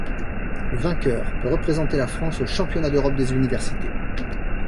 Le vainqueur peut représenter la France au championnat d'Europe des universités.